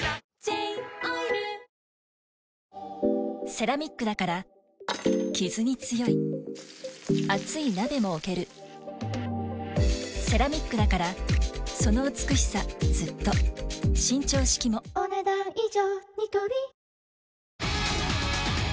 セラミックだからキズに強い熱い鍋も置けるセラミックだからその美しさずっと伸長式もお、ねだん以上。